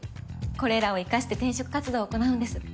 これらを生かして転職活動を行なうんです。